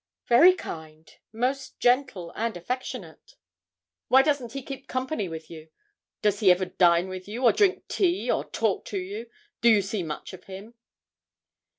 'Very kind most gentle and affectionate.' 'Why doesn't he keep company with you? Does he ever dine with you, or drink tea, or talk to you? Do you see much of him?'